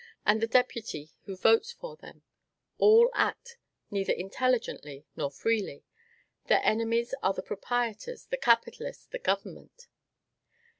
and the deputy who votes for them, all act neither intelligently nor freely. Their enemies are the proprietors, the capitalists, the government.